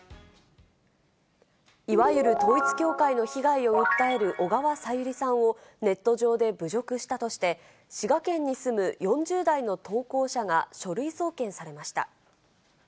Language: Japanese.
いわゆる統一教会の被害を訴える小川さゆりさんをネット上で侮辱したとして、滋賀県に住む４０代の投稿者が書類送検されました。